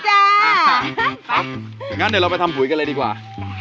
อย่างนั้นเดี๋ยวเราไปทำปุ๋ยกันเลยดีกว่า